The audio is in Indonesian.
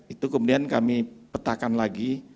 itu kemudian kami petakan lagi